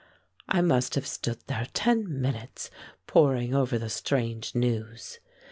I must have stood there ten minutes poring over the strange news.